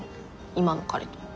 今の彼と。